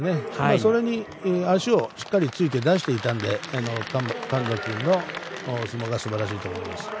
それに足をしっかりついて出していたので神崎君の相撲がすばらしいと思います。